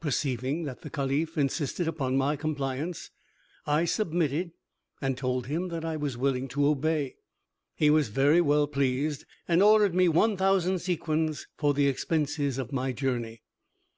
Perceiving that the caliph insisted upon my compliance, I submitted, and told him that I was willing to obey. He was very well pleased, and ordered me one thousand sequins for the expenses of my journey.